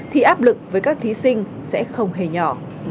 thì áp lực với các thí sinh sẽ không hề nhỏ